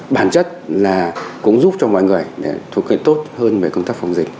bản chất là cũng giúp cho mọi người thuộc về tốt hơn về công tác phòng dịch